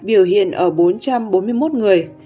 biểu hiện ở bốn trăm bốn mươi một người